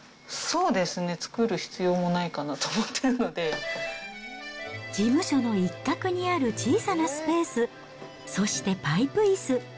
そうですね、作る必要もない事務所の一角にある小さなスペース、そしてパイプいす。